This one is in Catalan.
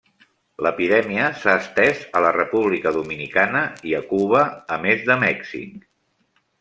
L'epidèmia s'ha estès a la República Dominicana i a Cuba, a més de Mèxic.